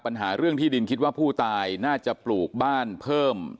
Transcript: ปัญหาเรื่องที่ดินคิดว่าผู้ตายน่าจะปลูกบ้านเพิ่ม